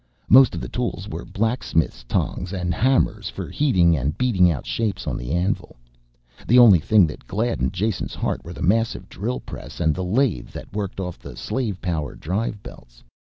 Most of the tools were blacksmith's tongs and hammers for heating and beating out shapes on the anvil. The only things that gladdened Jason's heart were the massive drill press and lathe that worked off the slave power drive belts.